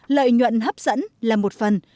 lợi nhuận hấp dẫn là một phần